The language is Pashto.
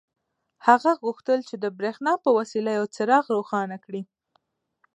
هغه غوښتل چې د برېښنا په وسیله یو څراغ روښانه کړي